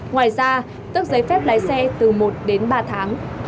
ngoài ra tước giấy phép lái xe từ một đến ba tháng